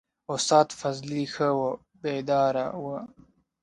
استاد فضلي ښه وو بیداره و.